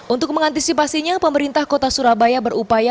untuk mengantisipasinya pemerintah kota surabaya berupaya